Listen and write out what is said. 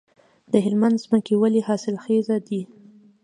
د هلمند ځمکې ولې حاصلخیزه دي؟